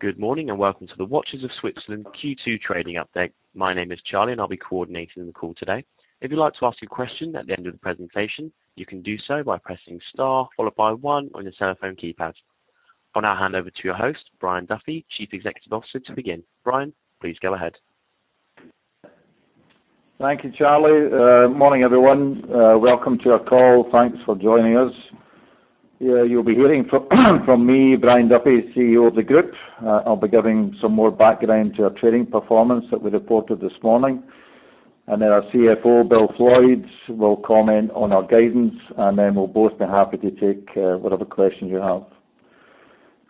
Good morning, and welcome to the Watches of Switzerland Q2 trading update. My name is Charlie, and I'll be coordinating the call today. If you'd like to ask a question at the end of the presentation, you can do so by pressing star followed by one on your cellphone keypad. I'll now hand over to your host, Brian Duffy, Chief Executive Officer, to begin. Brian, please go ahead. Thank you, Charlie. Morning, everyone. Welcome to our call. Thanks for joining us. Yeah, you'll be hearing from me, Brian Duffy, CEO of the group. I'll be giving some more background to our trading performance that we reported this morning. Our CFO, Bill Floydd, will comment on our guidance, and then we'll both be happy to take whatever questions you have.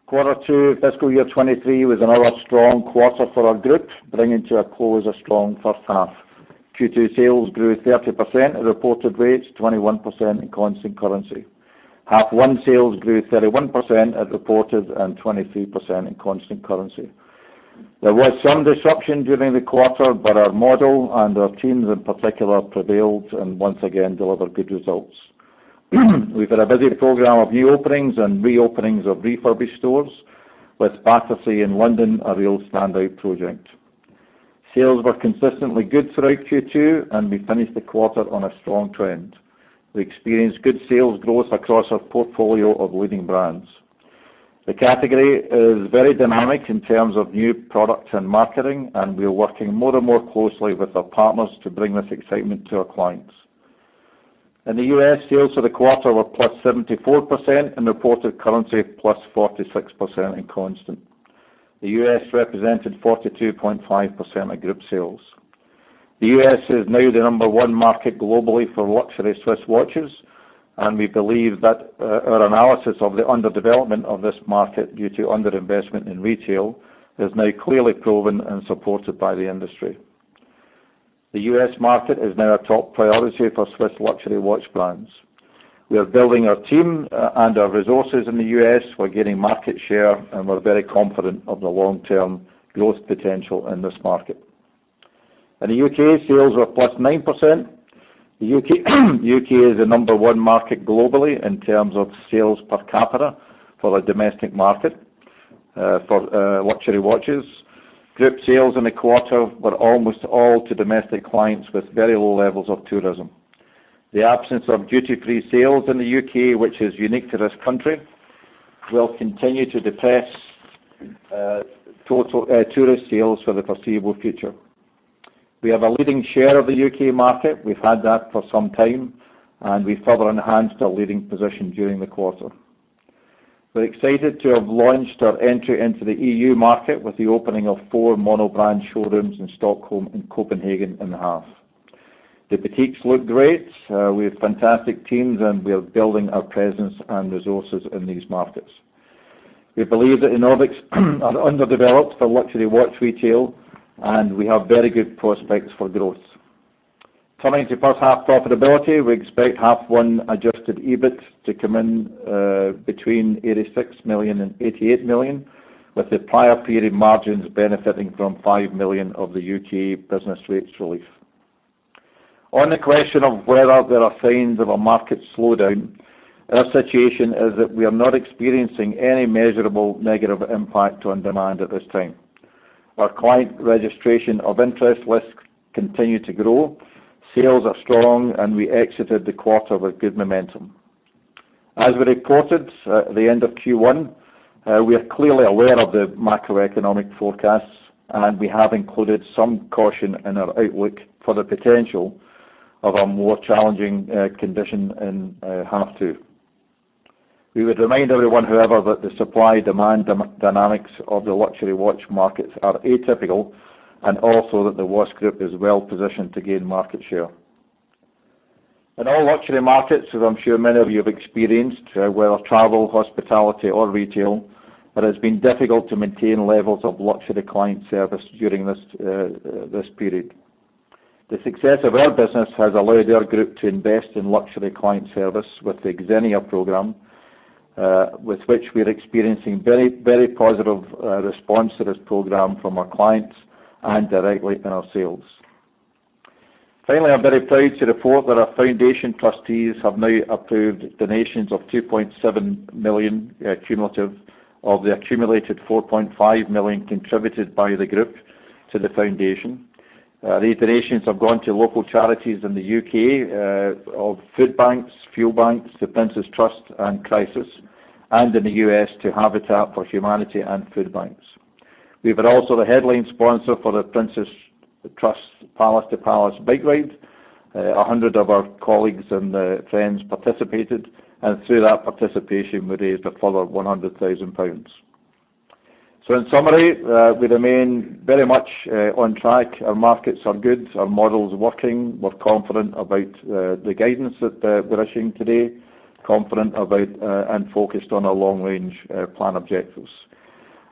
Quarter two fiscal year 2023 was another strong quarter for our group, bringing to a close a strong first half. Q2 sales grew 30% at reported rates, 21% in constant currency. Half one sales grew 31% as reported and 23% in constant currency. There was some disruption during the quarter, but our model and our teams in particular prevailed and once again delivered good results. We've had a busy program of new openings and reopenings of refurbished stores, with Battersea in London a real standout project. Sales were consistently good throughout Q2, and we finished the quarter on a strong trend. We experienced good sales growth across our portfolio of leading brands. The category is very dynamic in terms of new products and marketing, and we are working more and more closely with our partners to bring this excitement to our clients. In the US, sales for the quarter were +74% in reported currency, +46% in constant. The US represented 42.5% of group sales. The US is now the number one market globally for luxury Swiss watches, and we believe that our analysis of the underdevelopment of this market due to under-investment in retail is now clearly proven and supported by the industry. The US market is now a top priority for Swiss luxury watch brands. We are building our team and our resources in the US. We're gaining market share, and we're very confident of the long-term growth potential in this market. In the UK, sales were +9%. The UK is the number one market globally in terms of sales per capita for a domestic market for luxury watches. Group sales in the quarter were almost all to domestic clients with very low levels of tourism. The absence of duty-free sales in the UK, which is unique to this country, will continue to depress total tourist sales for the foreseeable future. We have a leading share of the UK market. We've had that for some time, and we further enhanced our leading position during the quarter. We're excited to have launched our entry into the EU market with the opening of four monobrand showrooms in Stockholm and Copenhagen in H1. The boutiques look great. We have fantastic teams, and we are building our presence and resources in these markets. We believe that Nordics are underdeveloped for luxury watch retail, and we have very good prospects for growth. Turning to first half profitability, we expect H1 Adjusted EBIT to come in between 86 million and 88 million, with the prior period margins benefiting from 5 million of the UK business rates relief. On the question of whether there are signs of a market slowdown, our situation is that we are not experiencing any measurable negative impact on demand at this time. Our client registration of interest lists continue to grow. Sales are strong, and we exited the quarter with good momentum. As we reported at the end of Q1, we are clearly aware of the macroeconomic forecasts, and we have included some caution in our outlook for the potential of a more challenging condition in half two. We would remind everyone, however, that the supply-demand dynamics of the luxury watch markets are atypical and also that the Watches of Switzerland Group is well positioned to gain market share. In all luxury markets, as I'm sure many of you have experienced, whether travel, hospitality or retail, it has been difficult to maintain levels of luxury client service during this this period. The success of our business has allowed our group to invest in luxury client service with the Xenia program, with which we're experiencing very, very positive response to this program from our clients and directly in our sales. Finally, I'm very proud to report that our foundation trustees have now approved donations of 2.7 million cumulative of the accumulated 4.5 million contributed by the group to the foundation. These donations have gone to local charities in the UK of food banks, fuel banks, The Prince's Trust, and Crisis, and in the US, to Habitat for Humanity and food banks. We were also the headline sponsor for The Prince's Trust Palace to Palace bike ride. 100 of our colleagues and friends participated, and through that participation we raised a further 100,000 pounds. In summary, we remain very much on track. Our markets are good, our model's working. We're confident about the guidance that we're issuing today, confident about, and focused on our long range plan objectives.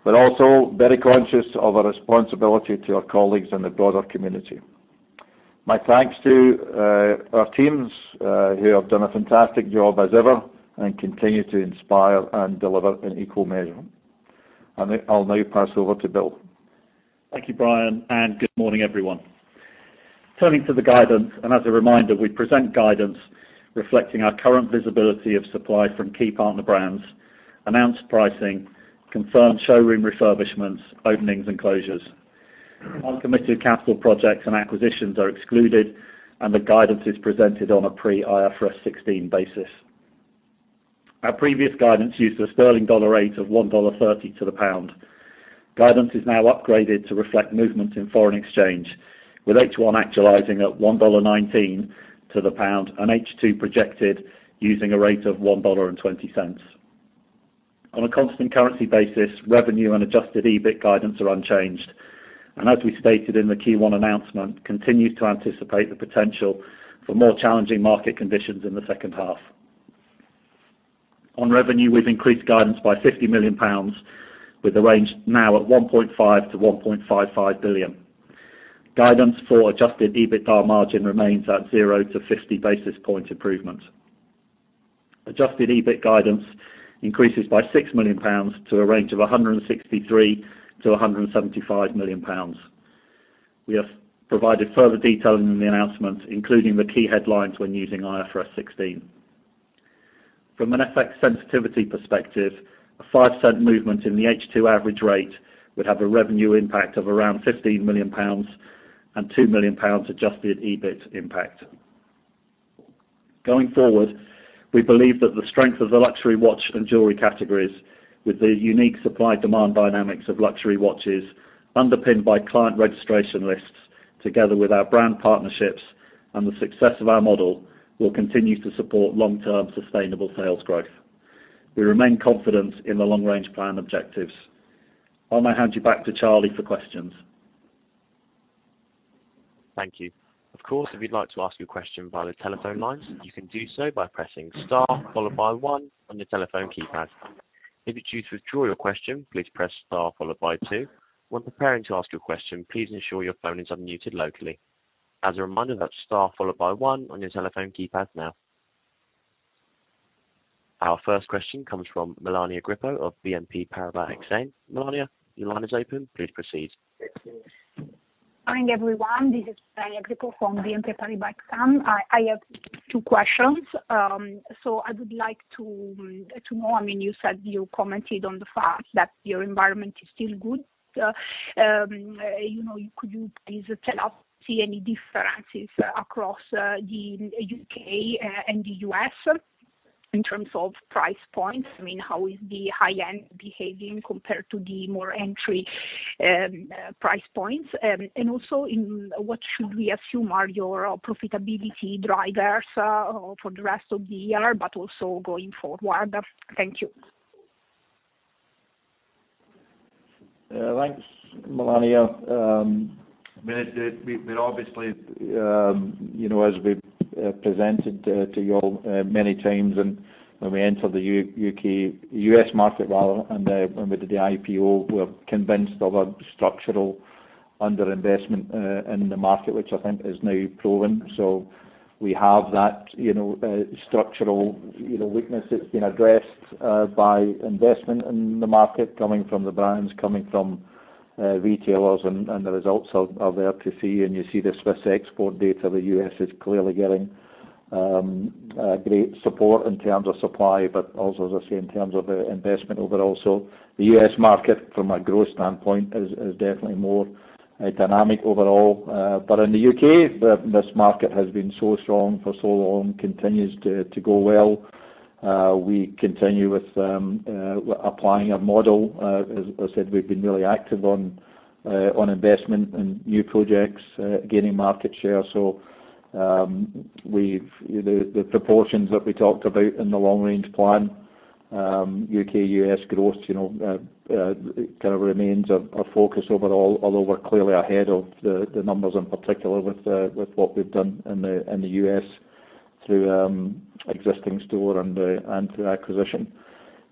We're also very conscious of our responsibility to our colleagues in the broader community. My thanks to our teams who have done a fantastic job as ever and continue to inspire and deliver in equal measure. I'll now pass over to Bill. Thank you, Brian, and good morning, everyone. Turning to the guidance, as a reminder, we present guidance reflecting our current visibility of supply from key partner brands, announced pricing, confirmed showroom refurbishments, openings, and closures. Uncommitted capital projects and acquisitions are excluded, and the guidance is presented on a pre-IFRS 16 basis. Our previous guidance used a sterling dollar rate of $1.30 to the pound. Guidance is now upgraded to reflect movement in foreign exchange, with H1 actualizing at $1.19 to the pound and H2 projected using a rate of $1.20. On a constant currency basis, revenue and Adjusted EBIT guidance are unchanged. As we stated in the Q1 announcement, we continue to anticipate the potential for more challenging market conditions in the second half. On revenue, we've increased guidance by 50 million pounds, with the range now at 1.5 billion-1.55 billion. Guidance for Adjusted EBITDA margin remains at 0-50 basis point improvement. Adjusted EBIT guidance increases by 6 million pounds to a range of 163 million-175 million pounds. We have provided further detail in the announcement, including the key headlines when using IFRS 16. From an FX sensitivity perspective, a 5-cent movement in the H2 average rate would have a revenue impact of around 15 million pounds and 2 million pounds Adjusted EBIT impact. Going forward, we believe that the strength of the luxury watch and jewelry categories with the unique supply demand dynamics of luxury watches underpinned by client registration lists together with our brand partnerships and the success of our model will continue to support long-term sustainable sales growth. We remain confident in the long-range plan objectives. I'm gonna hand you back to Charlie for questions. Thank you. Of course, if you'd like to ask your question via the telephone lines, you can do so by pressing star followed by one on your telephone keypad. If you choose to withdraw your question, please press star followed by two. When preparing to ask your question, please ensure your phone is unmuted locally. As a reminder, that's star followed by one on your telephone keypad now. Our first question comes from Melania Grippo of BNP Paribas Exane. Melania, your line is open. Please proceed. Morning, everyone. This is Melania Grippo from BNP Paribas Exane. I have two questions. I would like to know, I mean, you said you commented on the fact that your environment is still good. You know, could you please tell us do you see any differences across the UK and the US in terms of price points? I mean, how is the high end behaving compared to the more entry price points? Also, what should we assume are your profitability drivers for the rest of the year, but also going forward? Thank you. Thanks, Melania. I mean, we obviously, you know, as we presented to you all many times and when we entered the UK, US market rather, and when we did the IPO, we're convinced of a structural under-investment in the market, which I think is now proven. We have that, you know, structural weakness that's been addressed by investment in the market coming from the brands, coming from retailers and the results are there to see, and you see the Swiss export data. The US is clearly getting a great support in terms of supply, but also as I say in terms of investment overall. The US market from a growth standpoint is definitely more dynamic overall. In the UK, this market has been so strong for so long, continues to go well. We continue with applying our model. As I said, we've been really active on investment and new projects, gaining market share. We've, you know, the proportions that we talked about in the long range plan, UK, US growth, you know, kind of remains a focus overall, although we're clearly ahead of the numbers in particular with what we've done in the US through existing store and through acquisition.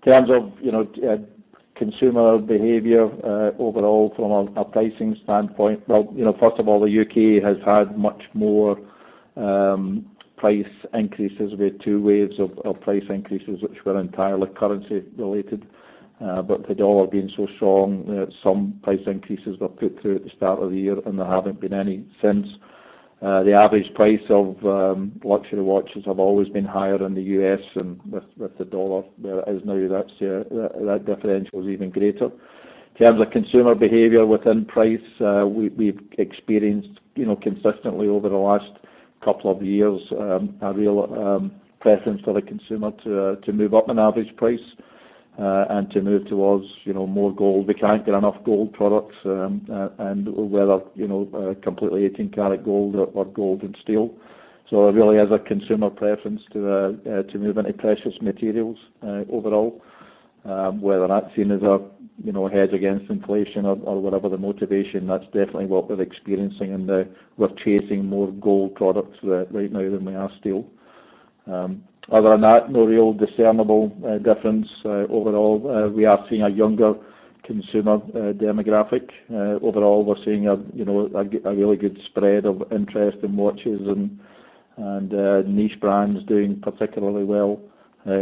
In terms of, you know, consumer behavior, overall from a pricing standpoint. Well, you know, first of all, the UK has had much more price increases. We had two waves of price increases, which were entirely currency related, but the dollar being so strong, some price increases were put through at the start of the year, and there haven't been any since. The average price of luxury watches have always been higher in the US and with the dollar where it is now, that's that differential is even greater. In terms of consumer behavior within price, we've experienced, you know, consistently over the last couple of years, a real preference for the consumer to move up in average price, and to move towards, you know, more gold. We can't get enough gold products, and whether, you know, completely 18 karat gold or gold and steel. It really is a consumer preference to move into precious materials overall, whether that's seen as a hedge against inflation or whatever the motivation, that's definitely what we're experiencing, and we're chasing more gold products right now than we are steel. Other than that, no real discernible difference. Overall, we are seeing a younger consumer demographic. Overall, we're seeing a really good spread of interest in watches and niche brands doing particularly well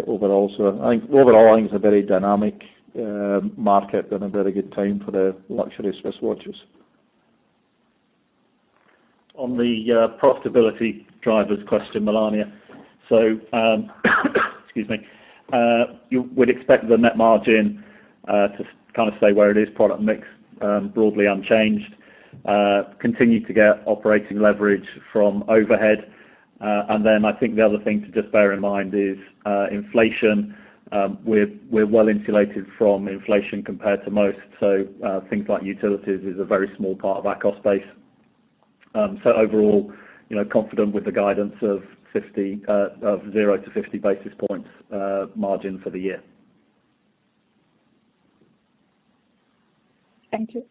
overall. I think overall, it's a very dynamic market and a very good time for the luxury Swiss watches. On the profitability drivers question, Melania. Excuse me. You would expect the net margin to kind of stay where it is, product mix broadly unchanged. Continue to get operating leverage from overhead. And then I think the other thing to just bear in mind is inflation. We're well-insulated from inflation compared to most, so things like utilities is a very small part of our cost base. Overall, you know, confident with the guidance of 0-50 basis points margin for the year. Thank you.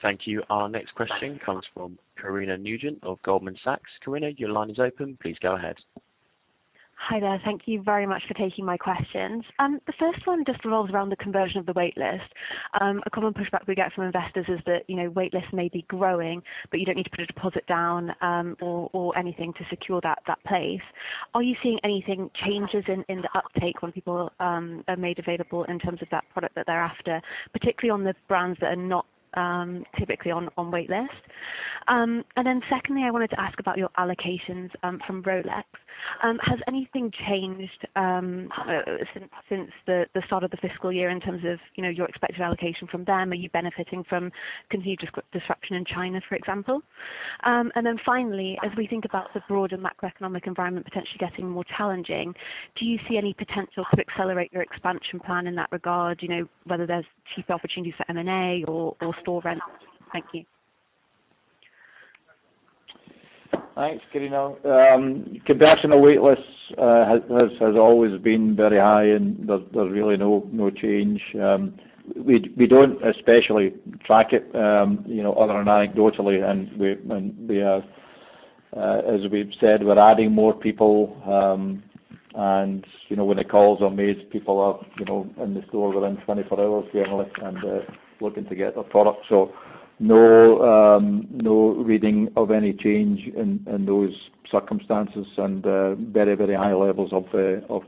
Thank you. Our next question comes from Carina Nugent of Goldman Sachs. Carina, your line is open. Please go ahead. Hi there. Thank you very much for taking my questions. The first one just revolves around the conversion of the wait list. A common pushback we get from investors is that, you know, wait lists may be growing, but you don't need to put a deposit down, or anything to secure that place. Are you seeing anything changes in the uptake when people are made available in terms of that product that they're after, particularly on the brands that are not typically on wait list? Secondly, I wanted to ask about your allocations from Rolex. Has anything changed since the start of the fiscal year in terms of, you know, your expected allocation from them? Are you benefiting from continued disruption in China, for example? Finally, as we think about the broader macroeconomic environment potentially getting more challenging, do you see any potential to accelerate your expansion plan in that regard? You know, whether there's cheaper opportunities for M&A or store rents. Thank you. Thanks, Carina. Conversion of wait lists has always been very high, and there's really no change. We don't especially track it, you know, other than anecdotally. We are, as we've said, we're adding more people. You know, when the calls are made, people are, you know, in the store within 24 hours generally and looking to get the product. No reading of any change in those circumstances and very high levels of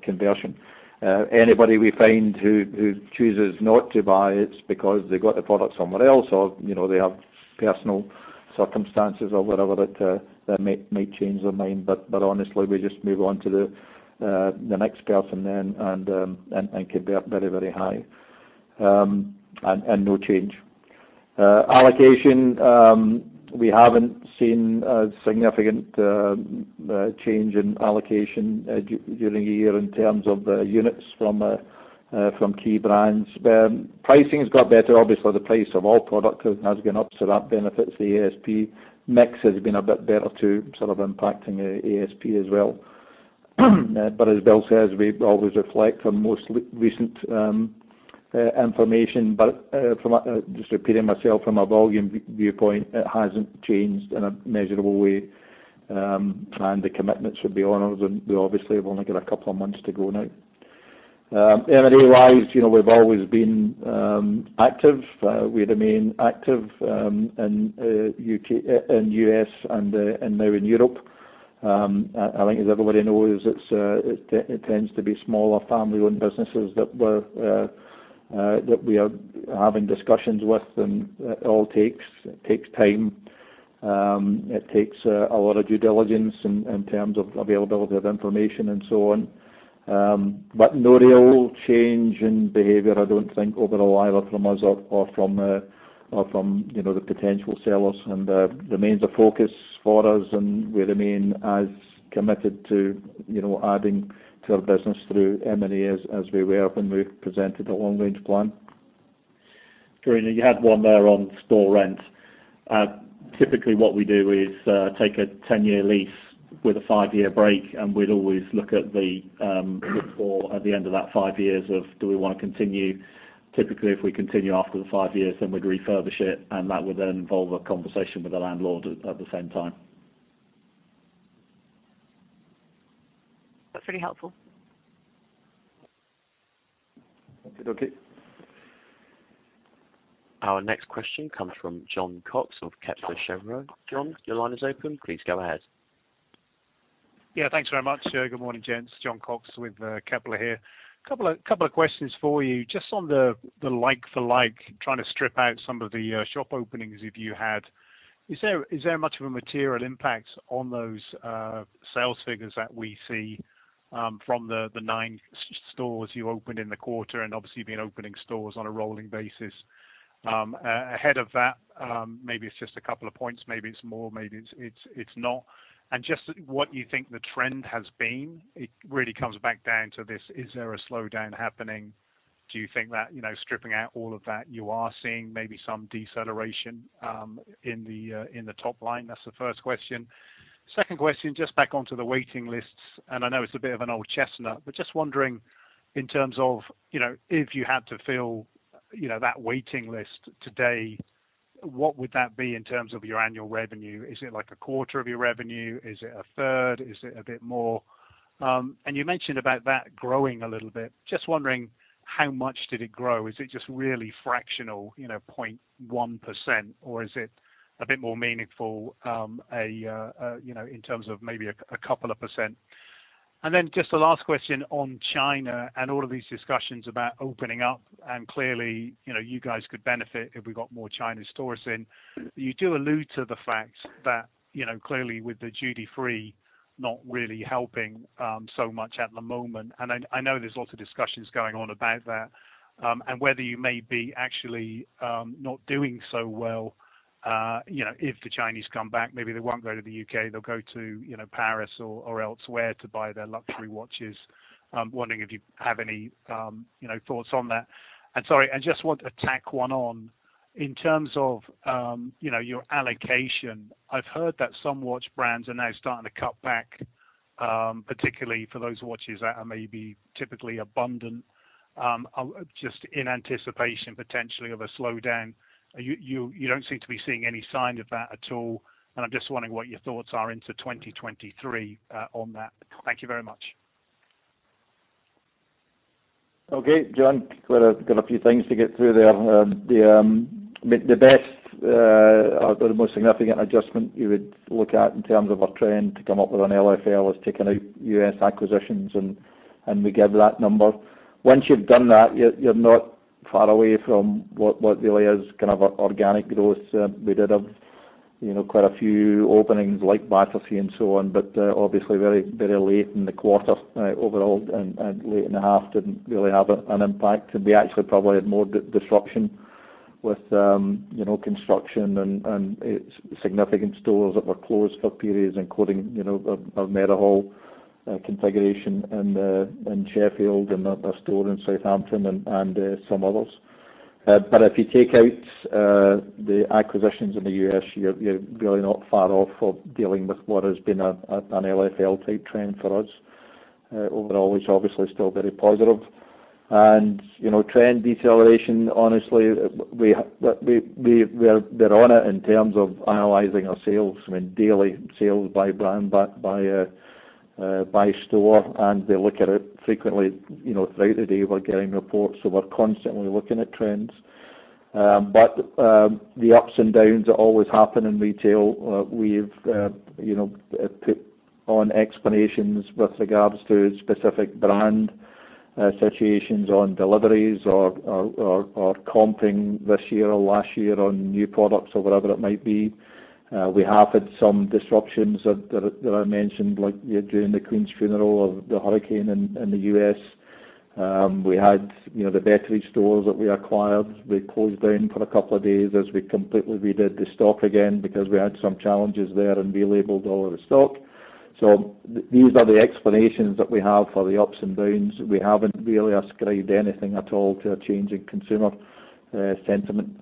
conversion. Anybody we find who chooses not to buy, it's because they got the product somewhere else or, you know, they have personal circumstances or whatever that may change their mind. Honestly, we just move on to the next person then and convert very high. No change. Allocation, we haven't seen a significant change in allocation during the year in terms of units from key brands. Pricing's got better. Obviously, the price of all products has gone up, so that benefits the ASP. Mix has been a bit better too, sort of impacting ASP as well. But as Bill says, we always reflect the most recent information. From a, just repeating myself, from a volume viewpoint, it hasn't changed in a measurable way, and the commitments should be honored. We obviously have only got a couple of months to go now. M&A-wise, you know, we've always been active. We remain active in UK, in US and now in Europe. I think as everybody knows, it tends to be smaller family-owned businesses that we are having discussions with. It all takes time. It takes a lot of due diligence in terms of availability of information and so on. No real change in behavior, I don't think, overall either from us or from, you know, the potential sellers. Remains a focus for us, and we remain as committed to, you know, adding to our business through M&A as we were when we presented the long-range plan. Carina, you had one there on store rent. Typically what we do is take a 10-year lease with a five-year break, and we'd always look at the end of that five years to see if we want to continue. Typically, if we continue after the five years, then we'd refurbish it, and that would then involve a conversation with the landlord at the same time. That's pretty helpful. Okey-dokey. Our next question comes from Jon Cox of Kepler Cheuvreux. Jon, your line is open. Please go ahead. Yeah, thanks very much. Good morning, gents. Jon Cox with Kepler Cheuvreux here. Couple of questions for you. Just on the like for like, trying to strip out some of the shop openings if you had, is there much of a material impact on those sales figures that we see from the nine stores you opened in the quarter and obviously you've been opening stores on a rolling basis? Ahead of that, maybe it's just a couple of points, maybe it's more, maybe it's not. Just what you think the trend has been, it really comes back down to this, is there a slowdown happening? Do you think that, you know, stripping out all of that, you are seeing maybe some deceleration in the top line? That's the first question. Second question, just back onto the waiting lists, and I know it's a bit of an old chestnut, but just wondering in terms of, you know, if you had to fill, you know, that waiting list today, what would that be in terms of your annual revenue? Is it like a quarter of your revenue? Is it a third? Is it a bit more? You mentioned about that growing a little bit. Just wondering how much did it grow? Is it just really fractional, you know, 0.1%, or is it a bit more meaningful, you know, in terms of maybe a couple of %? Just the last question on China and all of these discussions about opening up, and clearly, you know, you guys could benefit if we got more Chinese tourists in. You do allude to the fact that, you know, clearly with the duty-free not really helping so much at the moment, and I know there's lots of discussions going on about that, and whether you may be actually not doing so well, you know, if the Chinese come back, maybe they won't go to the UK, they'll go to, you know, Paris or elsewhere to buy their luxury watches. I'm wondering if you have any, you know, thoughts on that. Sorry, I just want to tack one on. In terms of, you know, your allocation, I've heard that some watch brands are now starting to cut back, particularly for those watches that are maybe typically abundant, just in anticipation potentially of a slowdown. You don't seem to be seeing any sign of that at all, and I'm just wondering what your thoughts are into 2023, on that. Thank you very much. Okay. Jon, got a few things to get through there. The best, or the most significant adjustment you would look at in terms of a trend to come up with an LFL is taking out US acquisitions, and we give that number. Once you've done that, you're not far away from what really is kind of organic growth. We did have, you know, quite a few openings like Battersea and so on, but obviously very late in the quarter, overall and late in the half didn't really have an impact. Could be actually probably had more disruption with, you know, construction and significant stores that were closed for periods, including, you know, our Meadowhall configuration in Sheffield and a store in Southampton and some others. If you take out the acquisitions in the US, you're really not far off from dealing with what has been an LFL-type trend for us overall, which obviously is still very positive. You know, trend deceleration, honestly, we're on it in terms of analyzing our sales when daily sales by brand, by store, and they look at it frequently, you know, throughout the day we're getting reports, so we're constantly looking at trends. The ups and downs always happen in retail. We've put on explanations with regards to specific brand situations on deliveries or comping this year or last year on new products or whatever it might be. We have had some disruptions that I mentioned during the Queen's funeral or the hurricane in the US. We had the Betteridge stores that we acquired. We closed down for a couple of days as we completely redid the stock again because we had some challenges there and relabeled all of the stock. These are the explanations that we have for the ups and downs. We haven't really ascribed anything at all to a change in consumer sentiment.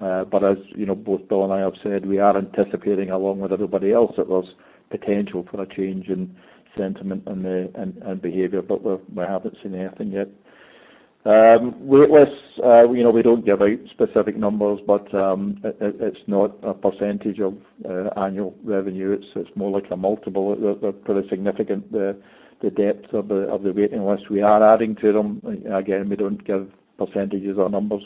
As you know, both Bill and I have said we are anticipating along with everybody else that there's potential for a change in sentiment and behavior, but we haven't seen anything yet. Wait lists, you know, we don't give out specific numbers, but it's not a percentage of annual revenue. It's more like a multiple. They're pretty significant, the depth of the waiting list. We are adding to them. Again, we don't give percentages or numbers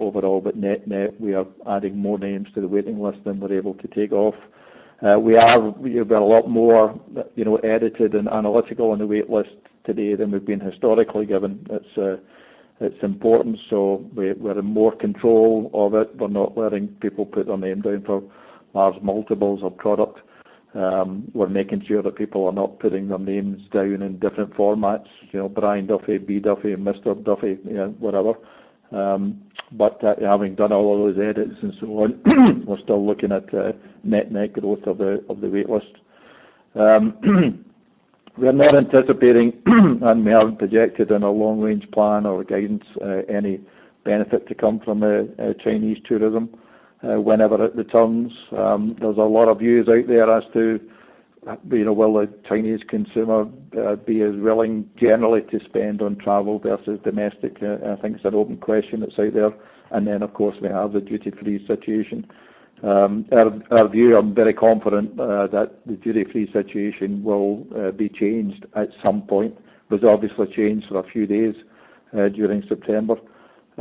overall, but net-net, we are adding more names to the waiting list than we're able to take off. We are a lot more, you know, edited and analytical on the wait list today than we've been historically given its importance. We're in more control of it. We're not letting people put their name down for large multiples of product. We're making sure that people are not putting their names down in different formats, you know, Brian Duffy, B. Duffy, Mr. Duffy, you know, whatever. But having done all of those edits and so on, we're still looking at net-net growth of the wait list. We're not anticipating and we haven't projected in our long range plan or guidance any benefit to come from Chinese tourism whenever it returns. There's a lot of views out there as to, you know, will the Chinese consumer be as willing generally to spend on travel versus domestic? I think it's an open question that's out there. Then, of course, we have the duty-free situation. Our view, I'm very confident that the duty-free situation will be changed at some point. There's obviously a change for a few days during September.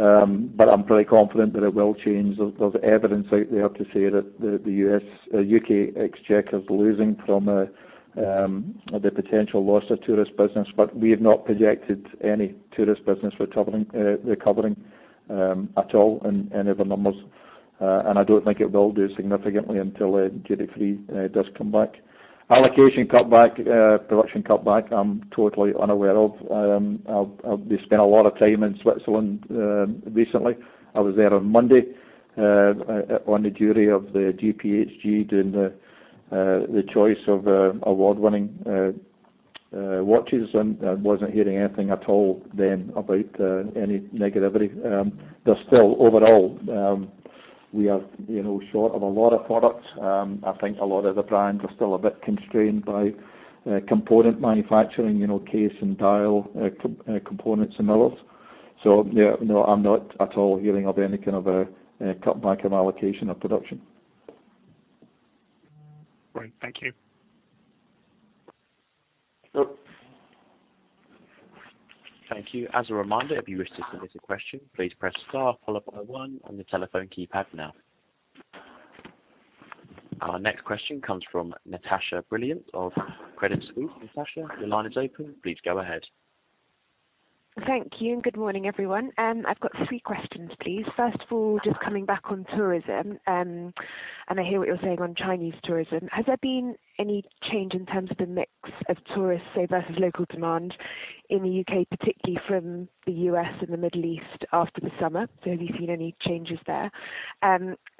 I'm pretty confident that it will change. There's evidence out there to say that the US UK exchequer is losing from the potential loss of tourist business. We have not projected any tourist business recovering at all in our numbers. I don't think it will do significantly until duty-free does come back. Allocation cutback, production cutback, I'm totally unaware of. I'll be spending a lot of time in Switzerland recently. I was there on Monday on the jury of the GPHG, doing the choice of award-winning watches, and I wasn't hearing anything at all then about any negativity. There's still overall we are, you know, short of a lot of products. I think a lot of the brands are still a bit constrained by component manufacturing, you know, case and dial components and others. Yeah, no, I'm not at all hearing of any kind of a cutback on allocation of production. Great. Thank you. Thank you. As a reminder, if you wish to submit a question, please press star followed by one on the telephone keypad now. Our next question comes from Natasha Brilliant of Credit Suisse. Natasha, your line is open. Please go ahead. Thank you, and good morning, everyone. I've got three questions, please. First of all, just coming back on tourism, and I hear what you're saying on Chinese tourism. Has there been any change in terms of the mix of tourists say, versus local demand in the UK, particularly from the US and the Middle East after the summer? Have you seen any changes there?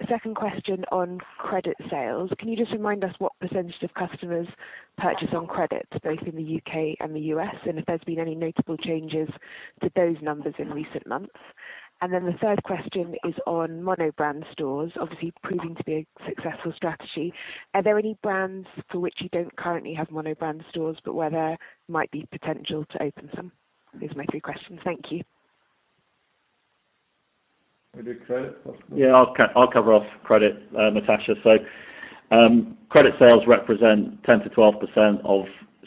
Second question on credit sales, can you just remind us what percentage of customers purchase on credit both in the UK and the US, and if there's been any notable changes to those numbers in recent months? Then the third question is on mono brand stores, obviously proving to be a successful strategy. Are there any brands for which you don't currently have mono brand stores, but where there might be potential to open some? Those are my three questions. Thank you. Maybe Credit first. Yeah. I'll cover off credit, Natasha. Credit sales represent 10%-12% of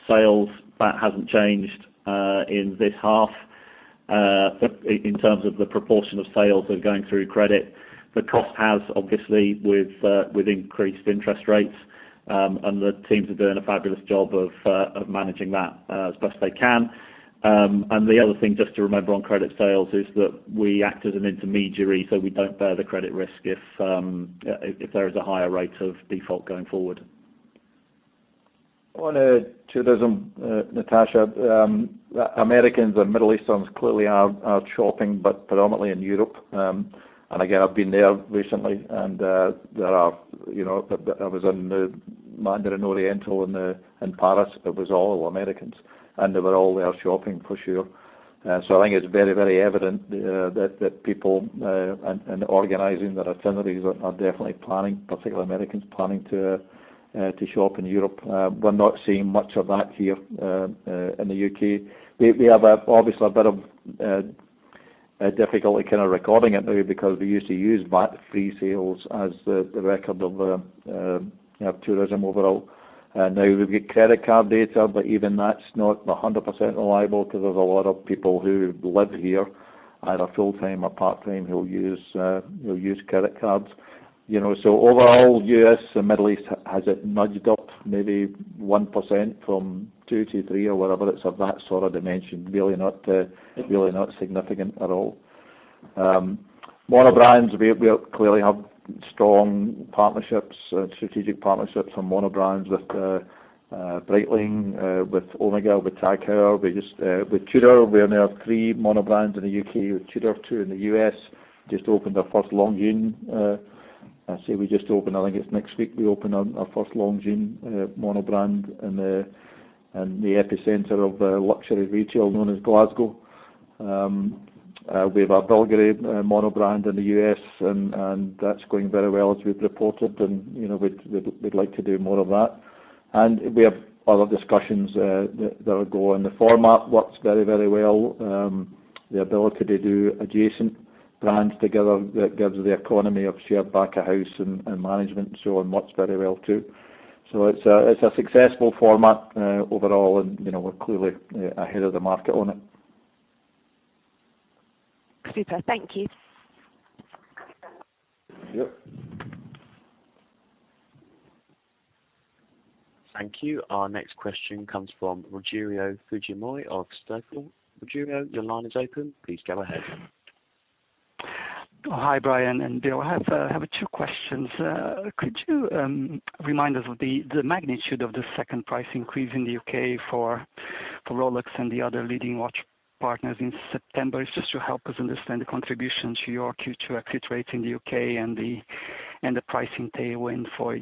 sales. That hasn't changed in this half. In terms of the proportion of sales that are going through credit, the cost has obviously, with increased interest rates, and the teams are doing a fabulous job of managing that as best they can. The other thing just to remember on credit sales is that we act as an intermediary, so we don't bear the credit risk if there is a higher rate of default going forward. On tourism, Natasha, Americans and Middle Easterns clearly are shopping, but predominantly in Europe. Again, I've been there recently and there was in the Mandarin Oriental in Paris, it was all Americans, and they were all there shopping for sure. I think it's very evident that people and organizing their itineraries are definitely planning, particularly Americans planning to shop in Europe. We're not seeing much of that here in the UK. We have obviously a bit of difficulty kind of recording it now because we used to use VAT-free sales as the record of tourism overall. Now we've got credit card data, but even that's not 100% reliable because there's a lot of people who live here, either full-time or part-time, who use credit cards. You know, overall US and Middle East has it nudged up maybe 1% from 2% to 3% or whatever, it's of that sort of dimension, really not significant at all. Mono brands, we clearly have strong partnerships, strategic partnerships on mono brands with Breitling, with Omega, with TAG Heuer. With Tudor, we now have three mono brands in the UK with Tudor, two in the US. I think it's next week, we open our first Longines mono brand in the epicenter of luxury retail known as Glasgow. We have our Bulgari mono brand in the US and that's going very well as we've reported and, you know, we'd like to do more of that. We have other discussions that are going. The format works very, very well. The ability to do adjacent brands together that gives the economies of shared back-of-house and management and so on works very well too. It's a successful format overall and, you know, we're clearly ahead of the market on it. Super. Thank you. Yep. Thank you. Our next question comes from Rogério Fujimori of Stifel. Rogério, your line is open. Please go ahead. Hi, Brian and Bill. I have two questions. Could you remind us of the magnitude of the second price increase in the UK for Rolex and the other leading watch partners in September? It's just to help us understand the contribution to your Q2 exit rate in the UK and the pricing tailwind for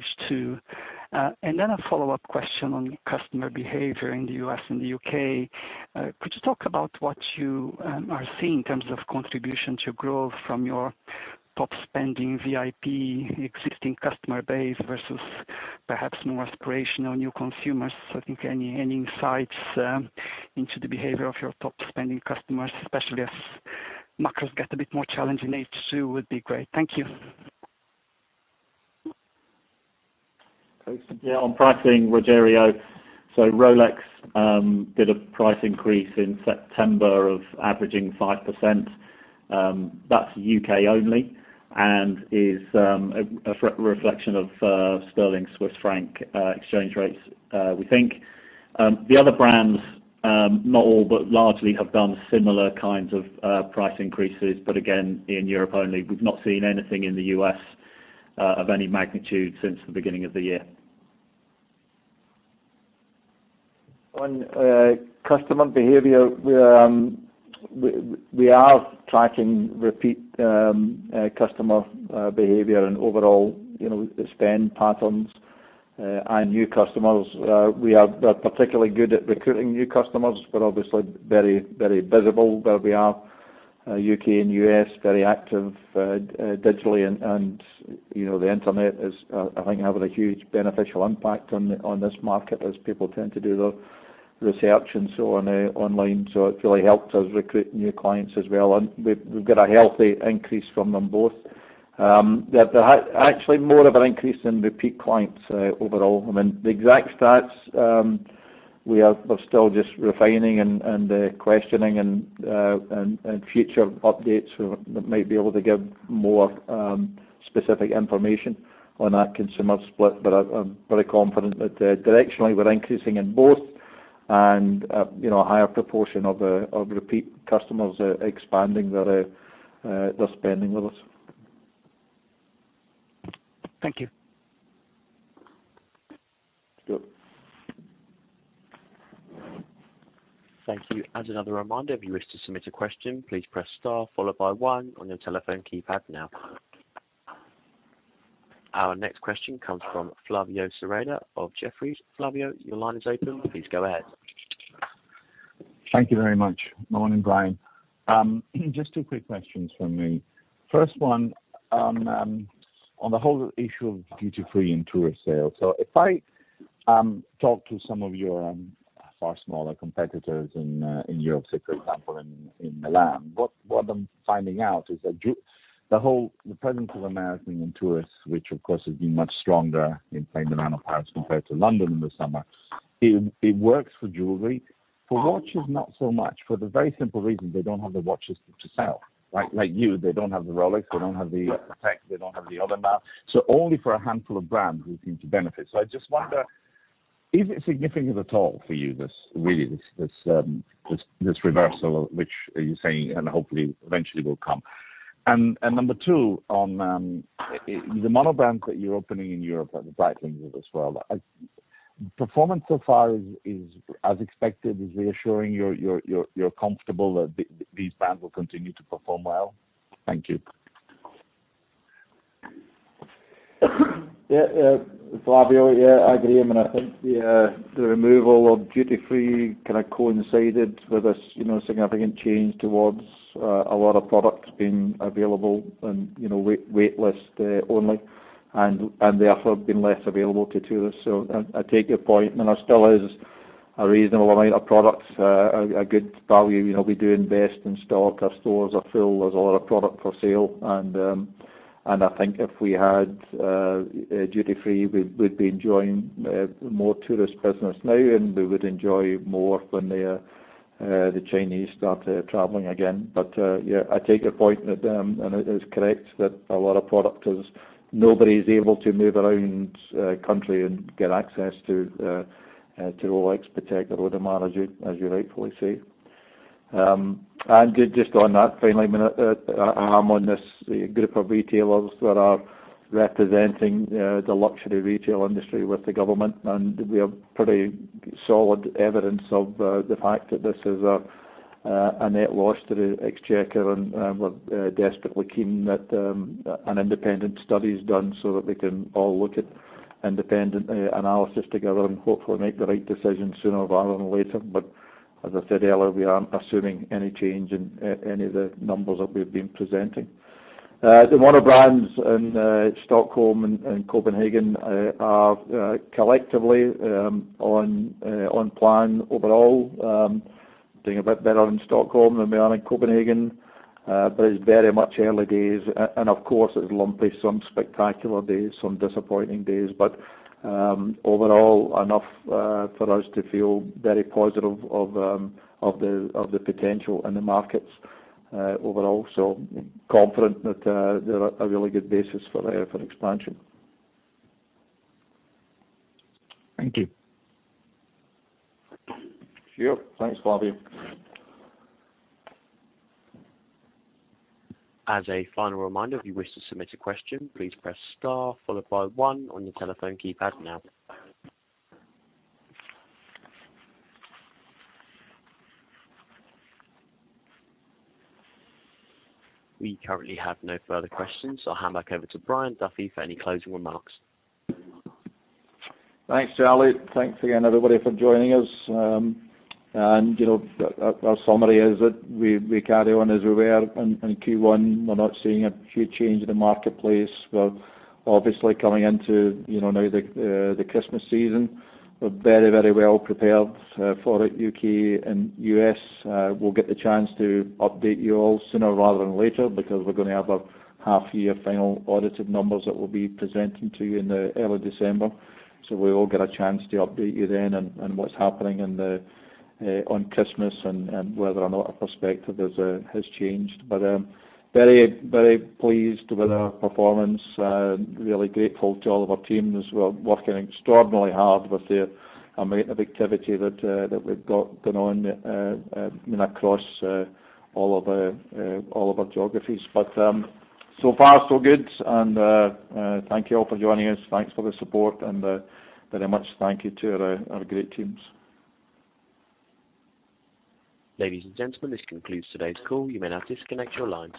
H2. A follow-up question on customer behavior in the US and the UK. Could you talk about what you are seeing in terms of contribution to growth from your top spending VIP existing customer base versus perhaps more aspirational new consumers? I think any insights into the behavior of your top spending customers, especially as macros get a bit more challenging in H2, would be great. Thank you. Yeah. On pricing, Rogério. Rolex did a price increase in September of averaging 5%. That's UK only, and is a re-reflection of sterling Swiss franc exchange rates, we think. The other brands, not all, but largely have done similar kinds of price increases. Again, in Europe only. We've not seen anything in the US of any magnitude since the beginning of the year. On customer behavior, we are tracking repeat customer behavior and overall, you know, spend patterns and new customers. We are particularly good at recruiting new customers. We're obviously very, very visible where we are, UK and US, very active digitally. You know, the internet is, I think, having a huge beneficial impact on this market as people tend to do their research and so on online. So it really helps us recruit new clients as well. We've got a healthy increase from them both. Actually more of an increase in repeat clients overall. I mean, the exact stats, we're still just refining and questioning and future updates so that might be able to give more specific information on our consumer split. I'm very confident that directionally we're increasing in both and you know, a higher proportion of repeat customers expanding their spending with us. Thank you. Sure. Thank you. As another reminder, if you wish to submit a question, please press star followed by one on your telephone keypad now. Our next question comes from Flavio Cereda of Jefferies. Flavio, your line is open. Please go ahead. Thank you very much. Morning, Brian. Just two quick questions from me. First one, on the whole issue of duty-free and tourist sales. If I talk to some of your far smaller competitors in Europe, say, for example, in Milan, what I'm finding out is that the presence of Americans and tourists, which of course is being much stronger, playing a much larger part compared to London in the summer, it works for jewelry. For watches, not so much for the very simple reason they don't have the watches to sell. Like you, they don't have the Rolex, they don't have the Patek, they don't have the Audemars. Only for a handful of brands who seem to benefit. I just wonder, is it significant at all for you, this reversal which you're saying and hopefully, eventually will come? Number two on the mono brands that you're opening in Europe and the Breitling as well. Performance so far is as expected, is reassuring, you're comfortable that these brands will continue to perform well? Thank you. Yeah, Flavio, I agree. I mean, I think the removal of duty-free kind of coincided with this, you know, significant change towards a lot of products being available and, you know, waitlist only, and therefore being less available to tourists. I take your point, and there still is a reasonable amount of products, a good value. You know, we do invest in stock. Our stores are full. There's a lot of product for sale. I think if we had a duty-free, we'd be enjoying more tourist business now, and we would enjoy more when the Chinese start traveling again. Yeah, I take your point that and it is correct that a lot of product is nobody is able to move around the country and get access to Rolex, Patek Philippe, Audemars Piguet, as you rightfully say. Just on that finally, I mean, I'm on this group of retailers that are representing the luxury retail industry with the government, and we have pretty solid evidence of the fact that this is a net loss to the exchequer. We're desperately keen that an independent study is done so that we can all look at independent analysis together and hopefully make the right decision sooner rather than later. As I said earlier, we aren't assuming any change in any of the numbers that we've been presenting. The mono brands in Stockholm and Copenhagen are collectively on plan overall, doing a bit better in Stockholm than we are in Copenhagen. It's very much early days. Of course it's lumpy. Some spectacular days, some disappointing days. Overall enough for us to feel very positive of the potential in the markets overall. Confident that there are a really good basis for expansion. Thank you. Sure. Thanks, Flavio. As a final reminder, if you wish to submit a question, please press star followed by one on your telephone keypad now. We currently have no further questions. I'll hand back over to Brian Duffy for any closing remarks. Thanks, Charlie. Thanks again everybody for joining us. You know, our summary is that we carry on as we were in Q1. We're not seeing a huge change in the marketplace. We're obviously coming into, you know, now the Christmas season. We're very well prepared for it, UK and US. We'll get the chance to update you all sooner rather than later because we're gonna have a half year final audited numbers that we'll be presenting to you in early December. We'll get a chance to update you then on what's happening in the on Christmas and whether or not our perspective has changed. Very pleased with our performance. Really grateful to all of our teams who are working extraordinarily hard with the amount of activity that we've got going on across all of our geographies. So far so good. Thank you all for joining us. Thanks for the support and very much thank you to our great teams. Ladies and gentlemen, this concludes today's call. You may now disconnect your lines.